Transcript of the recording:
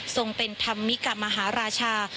ส่งเป็นธรรมิกมหาราชา